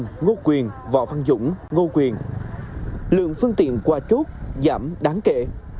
cầu rộng ngô quyền võ văn dũng ngô quyền lượng phương tiện qua chốt giảm đáng kể